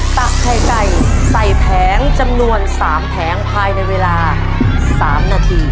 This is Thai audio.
ตักไข่ไก่ใส่แผงจำนวน๓แผงภายในเวลา๓นาที